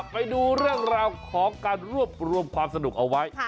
ไปดูเรื่องราวของการรวบรวมความสนุกเอาไว้